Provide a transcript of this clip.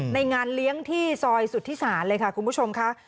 ในงานเลี้ยงที่ซอยสุธิศาลเลยค่ะคุณผู้ชมค่ะ